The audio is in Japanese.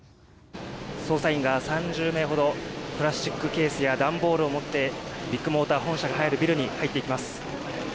捜査員が３０名ほどプラスチックケースや段ボールを持ってビッグモーター本社が入るビルに入っていきます。